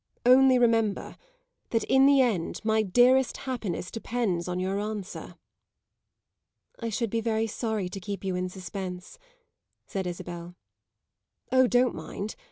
Only remember that in the end my dearest happiness depends on your answer." "I should be very sorry to keep you in suspense," said Isabel. "Oh, don't mind.